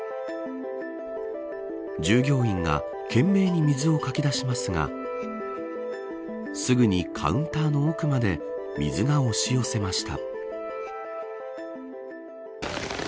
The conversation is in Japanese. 従業員が懸命に水をかき出しますがすぐにカウンターの奥まで水が押し寄せました。